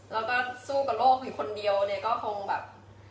แล้วก็สู้กับโลกอยู่คนเดียวเนี่ยก็คงแบบ